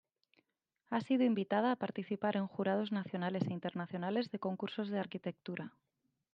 Ha sido invitada a participar en jurados nacionales e internacionales de Concursos de Arquitectura.